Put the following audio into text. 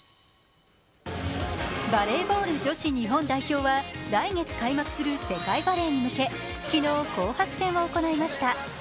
バレーボール女子日本代表は来月開幕する世界バレーに向け昨日、紅白戦を行いました。